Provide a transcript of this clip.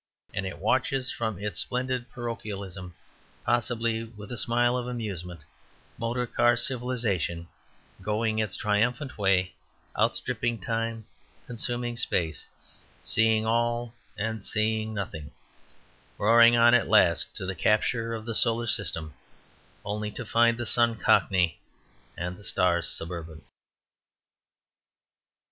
And it watches from its splendid parochialism, possibly with a smile of amusement, motor car civilization going its triumphant way, outstripping time, consuming space, seeing all and seeing nothing, roaring on at last to the capture of the solar system, only to find the sun cockney and the stars suburban.